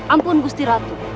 ampun gusti ratu